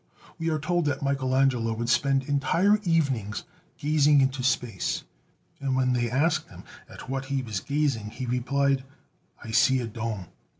We are told that Michelangelo would spend entire evenings gazing into space; and when they asked him at what he was gazing, he replied: "I see a dome."